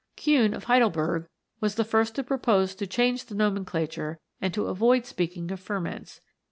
Kuhne, of Heidelberg, was the first to propose to change the nomenclature and to avoid speaking of ferments.